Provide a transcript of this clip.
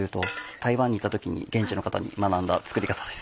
台湾に行った時に現地の方に学んだ作り方です。